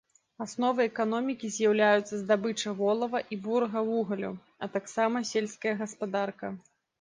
Асновай эканомікі з'яўляюцца здабыча волава і бурага вугалю, а таксама сельская гаспадарка.